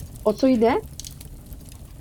O co jde?